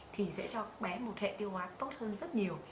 thì sẽ cho bé một hệ tiêu hóa tốt hơn rất nhiều